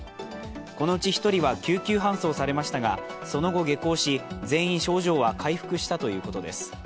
このうち１人は救急搬送されましたがその後下校し、全員症状は回復したということです。